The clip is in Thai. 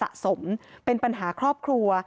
เขาอ้างว่าเป็นความเครียดสะสมเป็นปัญหาครอบครัว